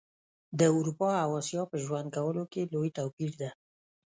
د اروپا او اسیا په ژوند کولو کي لوي توپیر ده